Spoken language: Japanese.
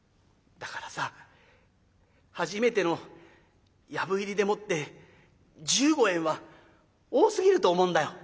「だからさ初めての藪入りでもって１５円は多すぎると思うんだよ」。